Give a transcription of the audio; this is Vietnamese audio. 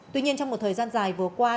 tuy nhiên trong một thời gian dài vừa qua